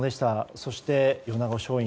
そして、米子松蔭